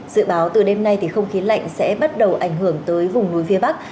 dự báo từ đêm nay thì không khí lạnh sẽ bắt đầu ảnh hưởng tới vùng núi phía bắc